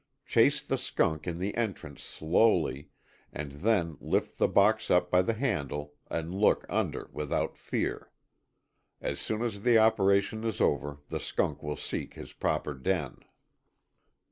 Chase the skunk in the entrance slowly and then lift the box up by the handle and look under without fear. As soon as the operation is over the skunk will seek his proper den.